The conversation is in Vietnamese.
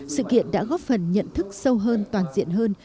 sự kiện đã góp phần nhận thức sâu hơn toàn diện hơn